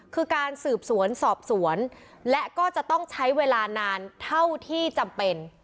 คือการสืบสวนสอบสวนและก็จะต้องใช้เวลานานเท่าที่จำเป็น